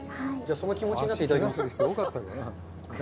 その気持ちになって、いただきます。